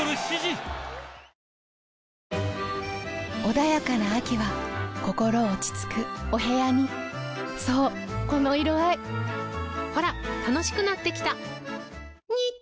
穏やかな秋は心落ち着くお部屋にそうこの色合いほら楽しくなってきた！